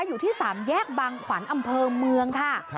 อยู่ที่๓แยกบางขวัญอำเภอเมืองค่ะ